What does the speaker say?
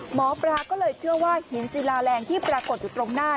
หมอปลาก็เลยเชื่อว่าหินศิลาแรงที่ปรากฏอยู่ตรงหน้า